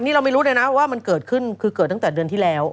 นี่เราไม่รู้เลยนะว่ามันเกิดขึ้นคือเกิดตั้งแต่เดือนที่แล้ว